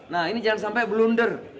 nah ini jangan sampai blunder